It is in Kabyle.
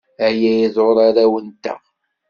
Aya iḍurr arraw-nteɣ.